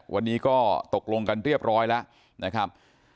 วันนี้ก็ตกลงกันเรียบร้อยแล้วนะครับ